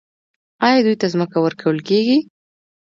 آیا دوی ته ځمکه ورکول کیږي؟